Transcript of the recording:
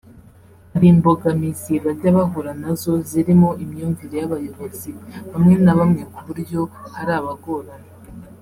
hari imbogamizi bajya bahura nazo zirimo imyumvire y’abayobozi bamwe na bamwe ku buryo hari abagorana